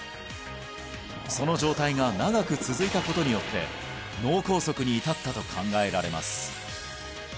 その状態が長く続いたことによって脳梗塞に至ったと考えられます